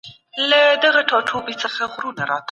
ما پرون یو نوی ډکشنري په خپل موبایل کي انسټال کړی.